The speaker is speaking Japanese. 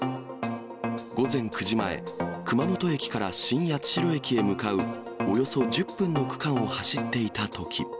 午前９時前、熊本駅から新八代駅へ向かうおよそ１０分の区間を走っていたとき。